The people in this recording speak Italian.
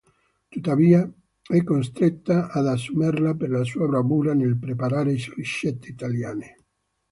Tuttavia, è costretta ad assumerla per la sua bravura nel preparare ricette italiane.